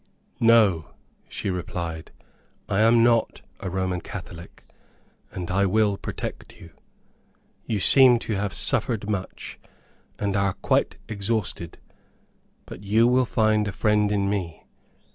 "No," she replied, "I am not a Roman Catholic, and I will protect you. You seem to have suffered much, and are quite exhausted. But you will find a friend in me.